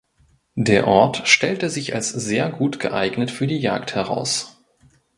Der Ort stellte sich als sehr gut geeignet für die Jagd heraus.